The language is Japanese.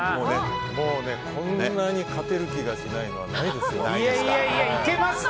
こんなに勝てる気がしないのはないです。